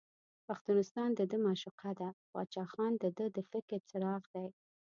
پښتونستان دده معشوقه ده، باچا خان دده د فکر څراغ دی.